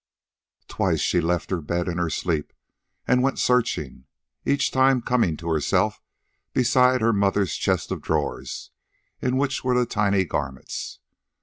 Twice she left her bed in her sleep and went searching each time coming to herself beside her mother's chest of drawers in which were the tiny garments.